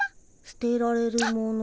捨てられるもの。